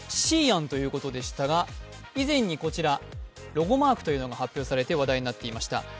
Ｃ案ということでしたが、以前にロゴマークが発表されて話題になっていました。